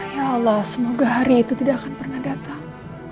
ya allah semoga hari itu tidak akan pernah datang